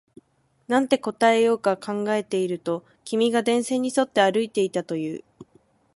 なんて答えようか考えていると、君が電線に沿って歩いていたと言う